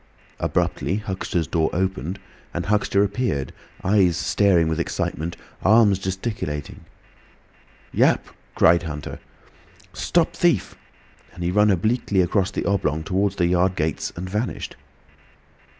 Abruptly Huxter's door opened and Huxter appeared, eyes staring with excitement, arms gesticulating. "Yap!" cried Huxter. "Stop thief!" and he ran obliquely across the oblong towards the yard gates, and vanished.